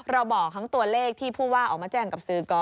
บอกทั้งตัวเลขที่ผู้ว่าออกมาแจ้งกับสื่อก่อน